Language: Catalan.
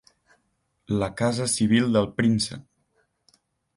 La casa civil del príncep.